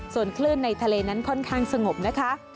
ส่วนคลื่นในทะเลนั้นค่อนข้างสงบนะคะ